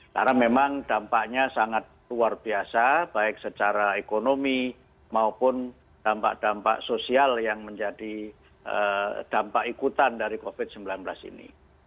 karena memang dampaknya sangat luar biasa baik secara ekonomi maupun dampak dampak sosial yang menjadi dampak ikutan dari covid sembilan belas ini